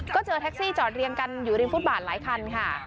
ก็เจอแท็กซี่จอดเรียงกันอยู่ริมฟุตบาทหลายคันค่ะ